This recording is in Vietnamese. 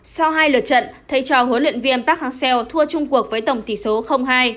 sau hai lượt trận thay cho huấn luyện viên park hang seo thua chung cuộc với tổng tỷ số hai